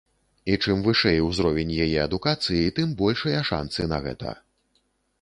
І чым вышэй узровень яе адукацыі, тым большыя шанцы на гэта.